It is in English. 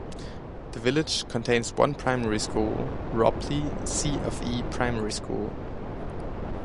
The village contains one primary school, Ropley CofE Primary School.